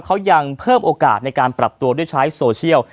เขายังเพิ่มโอกาสในการปรับตัวด้วยใช้โซเชียล